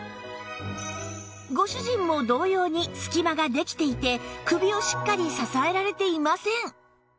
ご主人も同様に隙間ができていて首をしっかり支えられていません